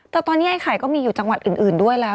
แต่ตอนนี้ไอ้ไข่ก็มีอยู่จังหวัดอื่นด้วยแล้ว